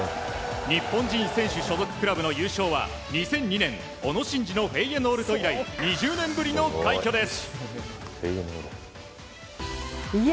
日本人選手所属クラブの優勝は２００２年、小野伸二のフェイエノールト以来２０年ぶりの快挙です！